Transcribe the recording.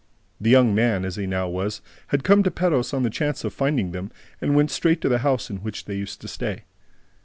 The young man, as he now was, had come to Perros on the chance of finding them and went straight to the house in which they used to stay.